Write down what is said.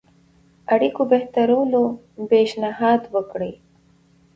اړيکو بهترولو پېشنهاد وکړي.